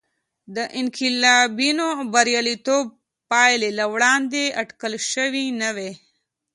د انقلابینو بریالیتوب پایلې له وړاندې اټکل شوې نه وې.